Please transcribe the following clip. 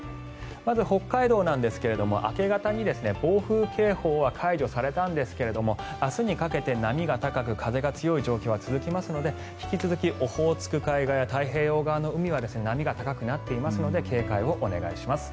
まず北海道なんですが、明け方に暴風警報は解除されたんですが明日にかけて波が高く風が強い状況は続きますので引き続きオホーツク海側や太平洋側の海は波が高くなっていますので警戒をお願いします。